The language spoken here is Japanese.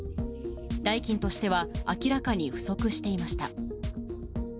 代金としては明らかに不足していました。